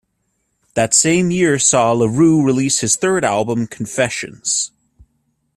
That same year saw LaRue release his third album "Confessions".